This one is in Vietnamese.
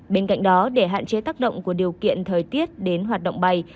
bên cạnh đó để hạn chế tác động của điều kiện thời tiết đến hoạt động bay